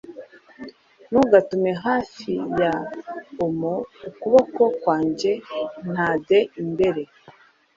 ntugatume hafi ya am-o. ukuboko kwanjye nta de imbere